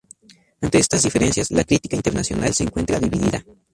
Ante estas diferencias, la crítica internacional se encuentra dividida.